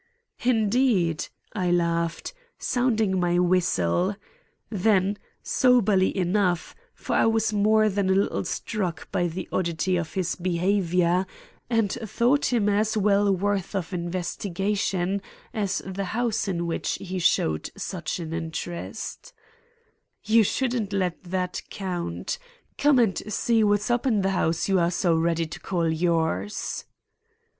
"Indeed!" I laughed, sounding my whistle; then, soberly enough, for I was more than a little struck by the oddity of his behavior and thought him as well worth investigation as the house in which he showed such an interest: "You shouldn't let that count. Come and see what's up in the house you are so ready to call yours."